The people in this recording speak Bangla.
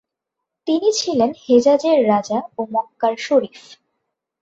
তিনি ছিলেন হেজাজের রাজা ও মক্কার শরিফ।